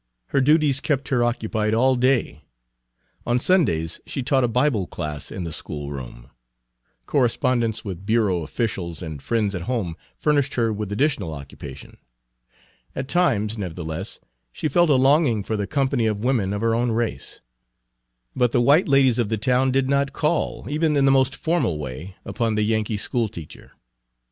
Her duties kept her occupied all day. On Sundays she taught a Bible class in the school room. Correspondence with bureau officials and friends at home furnished her with additional occupation. At times, nevertheless, she felt a longing for the company of women of her own race; but the white ladies of the town did not call, even in the most formal way, upon the Yankee school teacher.